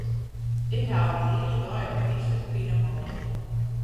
Ik ha al de hiele dei ôfgryslike pineholle.